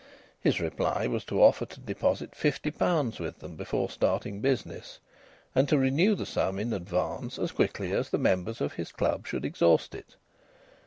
His reply was to offer to deposit fifty pounds with them before starting business, and to renew the sum in advance as quickly as the members of his club should exhaust it.